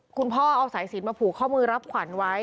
คุณพ่อเอาสายสินมาผูกข้อมือรับขวัญไว้